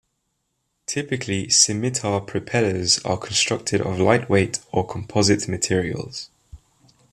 Typically scimitar propellers are constructed of lightweight or composite materials.